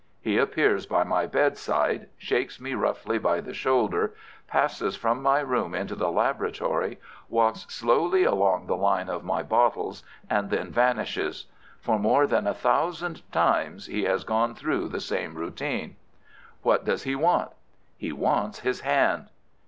He appears by my bedside, shakes me roughly by the shoulder, passes from my room into the laboratory, walks slowly along the line of my bottles, and then vanishes. For more than a thousand times he has gone through the same routine." "What does he want?" "He wants his hand."